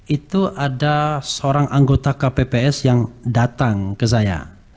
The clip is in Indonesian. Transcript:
itu ada seorang anggota kpps yang datang ke saya